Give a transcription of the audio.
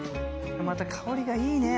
また香りがいいね！